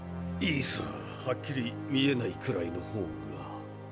いいさはっきり見えないくらいのほうが。